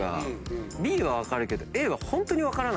Ｂは分かるけど。